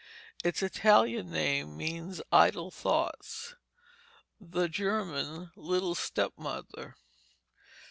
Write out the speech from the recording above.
Its Italian name means "idle thoughts"; the German, "little stepmother."